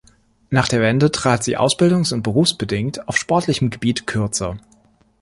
Nach der Wende trat sie ausbildungs- und berufsbedingt auf sportlichem Gebiet kürzer.